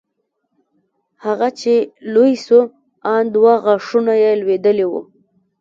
هغه چې لوى سو ان دوه غاښونه يې لوېدلي وو.